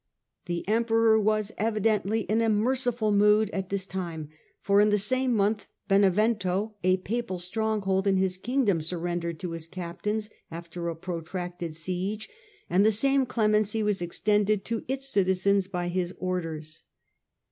" The Emperor was evidently in a merciful mood at this time, for in the same month Benevento, a Papal stronghold in his Kingdom, surrendered to his captains after a protracted siege, and the same clemency was extended to its citizens by his orders.